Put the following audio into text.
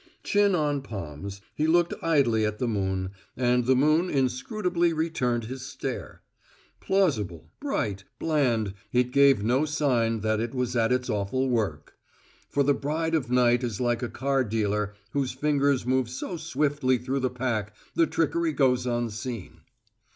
Chin on palms, he looked idly at the moon, and the moon inscrutably returned his stare. Plausible, bright, bland, it gave no sign that it was at its awful work. For the bride of night is like a card dealer whose fingers move so swiftly through the pack the trickery goes unseen.